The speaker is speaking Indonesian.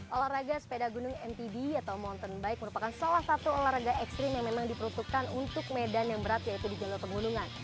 olahraga sepeda gunung mpd atau mountain bike merupakan salah satu olahraga ekstrim yang memang diperuntukkan untuk medan yang berat yaitu di jalur pegunungan